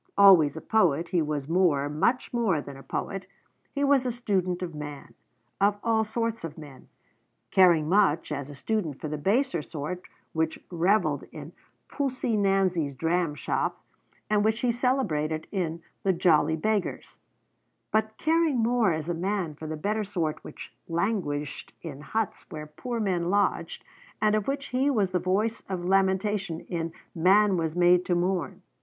Always a poet, he was more, much more than a poet. He was a student of man, of all sorts of men; caring much, as a student, for the baser sort which reveled in Poosie Nansie's dram shop, and which he celebrated in 'The Jolly Beggars'; but caring more, as a man, for the better sort which languished in huts where poor men lodged, and of which he was the voice of lamentation in 'Man was Made to Mourn.'